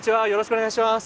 お願いします。